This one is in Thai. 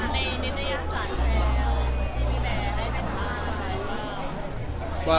พี่แบนไปแล้วไม่หายหนาว